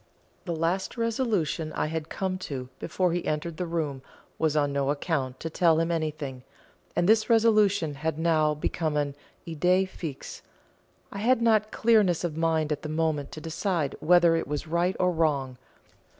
The last resolution I had come to before he entered the room was on no account to tell him anything, and this resolution had now become an idée fixe. I had not clearness of mind at the moment to decide whether it was right or wrong.